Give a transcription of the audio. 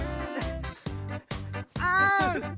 あん！